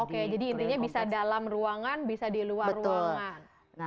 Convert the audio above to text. oke jadi intinya bisa dalam ruangan bisa di luar ruangan